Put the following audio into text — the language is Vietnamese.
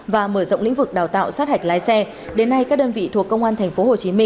và mở rộng lĩnh vực đào tạo sát hạch lái xe đến nay các đơn vị thuộc công an tp hcm